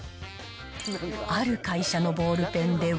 ある会社のボールペンでは。